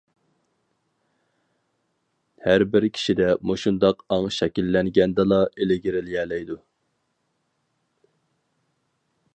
ھەر بىر كىشىدە مۇشۇنداق ئاڭ شەكىللەنگەندىلا ئىلگىرىلىيەلەيدۇ.